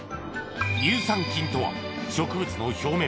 乳酸菌とは植物の表面